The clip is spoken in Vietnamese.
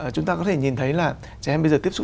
chúng ta có thể nhìn thấy là trẻ em bây giờ tiếp xúc